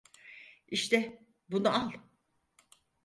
İşte, bunu al.